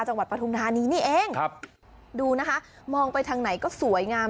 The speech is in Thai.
จังหวัดปทุมธานีนี่เองดูนะคะมองไปทางไหนก็สวยงาม